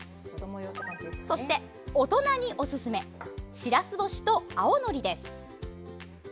そして、大人におすすめしらす干しと青のりです。